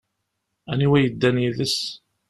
Aniwa yeddan yid-s?